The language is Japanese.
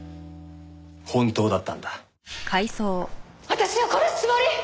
私を殺すつもり！？